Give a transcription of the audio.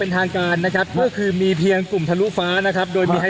ทางกลุ่มมวลชนทะลุฟ้าทางกลุ่มมวลชนทะลุฟ้า